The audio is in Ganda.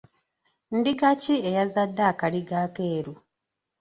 Ndiga ki eyazadde akaliga akeeru?